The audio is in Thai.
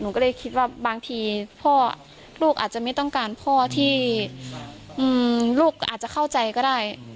ก็เลยคิดว่าบางทีพ่อลูกอาจจะไม่ต้องการพ่อที่ลูกอาจจะเข้าใจก็ได้